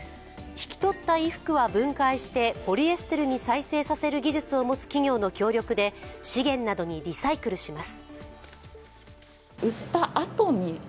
引き取った衣服は分解して、ポリエステルに再生させる技術を持つ企業の協力で資源などにリサイクルします。